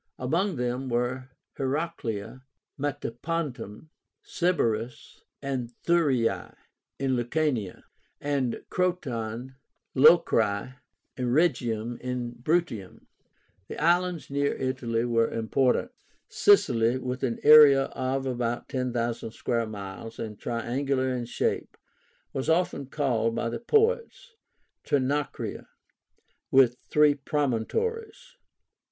Among them were Heracléa, Metapontum, Sybaris, and Thurii, in Lucania; and Croton, Locri, and Rhegium, in Bruttium. The islands near Italy were important. SICILY, with an area of about 10,000 square miles, and triangular in shape, was often called by the poets TRINACRIA (with three promontories).